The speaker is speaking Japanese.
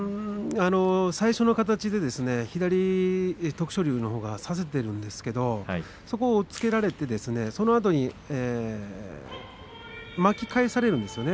最初の形で左、徳勝龍のほうが差せているんですけれどそこを押っつけられてそのあとに巻き返されるんですね。